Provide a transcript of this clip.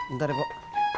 ntar ya pok